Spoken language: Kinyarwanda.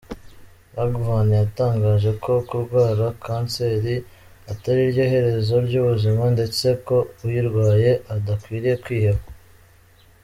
Ragavan yatangaje ko kurwara kanseri atariryo herezo ry’ubuzima ndetse ko uyirwaye adakwiriye kwiheba.